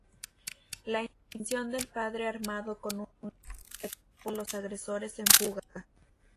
La intervención del padre armado con una escopeta pone a los agresores en fuga.